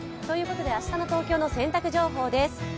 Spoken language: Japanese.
明日の東京の洗濯情報です。